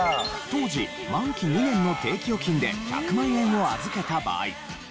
当時満期２年の定期預金で１００万円を預けた場合